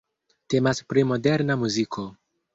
Temas pri Moderna muziko.